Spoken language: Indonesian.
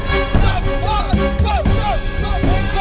ini bukan hal yang bagus